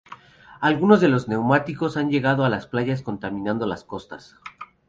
Algunos de los neumáticos han llegado a las playas contaminando las costas.